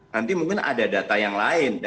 nanti mungkin ada data yang lain